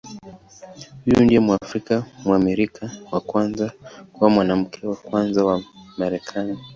Huyu ndiye Mwafrika-Mwamerika wa kwanza kuwa Mwanamke wa Kwanza wa Marekani.